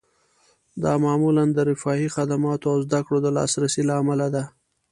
دا معمولاً د رفاهي خدماتو او زده کړو د لاسرسي له امله ده